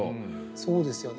そうですよね。